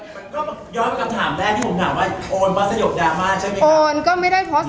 ย้อยมาคำถามแรกที่ผมถามว่าโอนมาสโยภแดรมมาใช่ไหมครับ